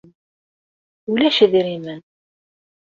Ulac idrimen.